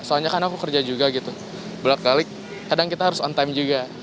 soalnya kan aku kerja juga gitu bulat balik kadang kita harus on time juga